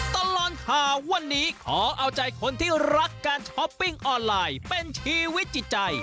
ตลอดข่าววันนี้ขอเอาใจคนที่รักการช้อปปิ้งออนไลน์เป็นชีวิตจิตใจ